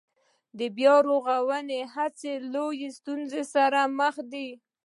د بيا رغونې هڅې له لویو ستونزو سره مخ دي